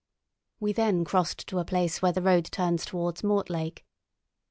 We then crossed to a place where the road turns towards Mortlake.